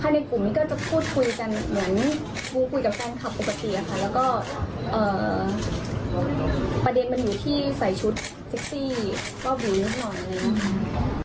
ก็ในกลุ่มนี้ก็จะพูดคุยกันเหมือนพูดกับแฟนคับปกติอ่ะค่ะ